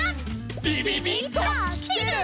びびびっときてる？